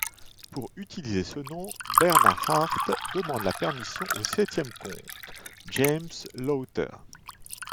Pour utiliser ce nom, Bernard Hart demande la permission au septième comte, James Lowther.